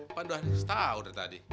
panduan istana udah tadi